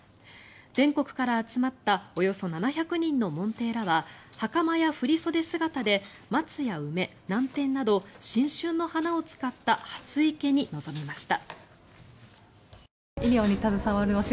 全国から集まったおよそ７００人の門弟らは袴や振り袖姿で松や梅、南天など新春の花を使った初生けに臨みました。